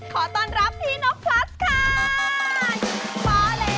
ขอต้อนรับที่นกพลัสค่ะ